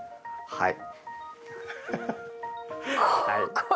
はい。